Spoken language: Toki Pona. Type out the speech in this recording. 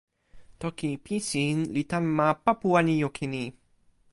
toki Pisin li tan ma Papuwanijukini.